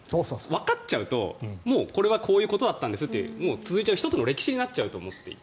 わかっちゃうと、もうこれはこういうことだったんですともう１つの歴史になっちゃうと思っていて。